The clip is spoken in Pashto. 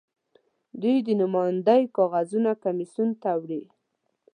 دوی د نوماندۍ کاغذونه کمېسیون ته وړي.